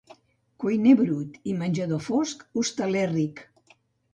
Cuiner brut i menjador fosc, hostaler ric.